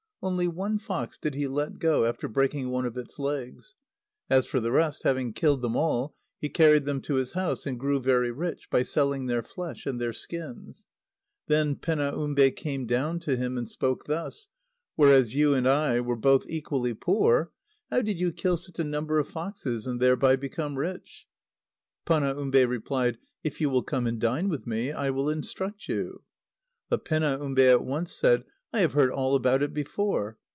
Only one fox did he let go, after breaking one of its legs. As for the rest, having killed them all, he carried them home to his house, and grew very rich [by selling their flesh and their skins]. Then Penaumbe came down to him, and spoke thus: "Whereas you and I were both equally poor, how did you kill such a number of foxes, and thereby become rich?" Panaumbe replied: "If you will come and dine with me, I will instruct you." But Penaumbe at once said: "I have heard all about it before."